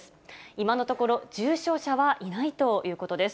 今のところ、重症者はいないということです。